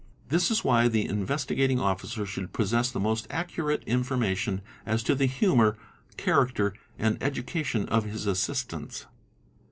This is why the Investigating Officer should possess the most accurate inform ation as to the humour, character, and education of his assistants.